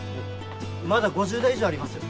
まだ５０台以上ありますよ。